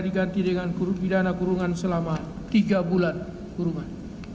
diganti dengan pidana kurungan selama tiga bulan kurungan